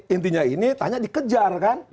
intinya ini tanya dikejar kan